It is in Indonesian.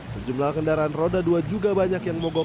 sejumlah kendaraan roda dua juga banyak yang mogok